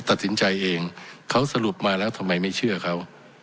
ตัดสินใจเองเขาสรุปมาแล้วทำไมไม่เชื่อเขา